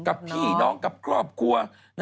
กับพี่น้องกับครอบครัว